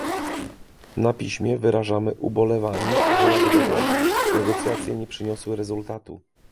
na piśmie - Wyrażamy ubolewanie, że jak dotąd negocjacje nie przyniosły rezultatu